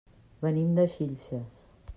Venim de Xilxes.